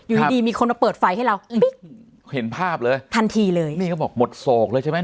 อยู่ดีดีมีคนมาเปิดไฟให้เราบิ๊กเห็นภาพเลยทันทีเลยนี่เขาบอกหมดโศกเลยใช่ไหม